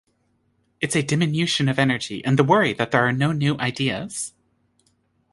It's a diminution of energy and the worry that there are no new ideas.